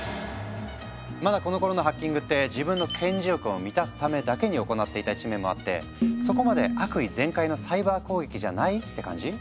まだこのころのハッキングって自分の顕示欲を満たすためだけに行っていた一面もあってそこまで悪意全開のサイバー攻撃じゃないって感じ？